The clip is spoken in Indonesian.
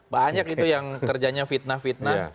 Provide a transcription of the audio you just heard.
banyak itu yang kerjanya fitnah fitnah